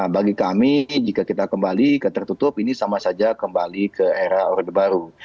bagi kami jika kita kembali ke tertutup ini sama saja kembali ke era orde baru